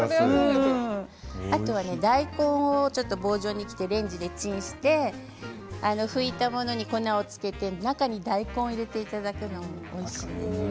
あと大根を棒状に切ってレンジでチンして拭いたものに粉をつけて中に大根を入れていただくのもおいしいです。